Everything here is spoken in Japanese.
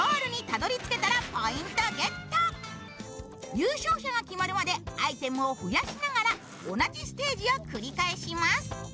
優勝者が決まるまでアイテムを増やしながら同じステージを繰り返します。